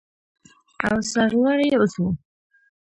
او سرلوړي اوسو.